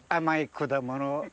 果物？